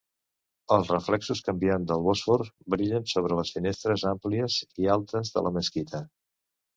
Els reflexos canviants del Bòsfor brillen sobre les finestres àmplies i altes de la mesquita.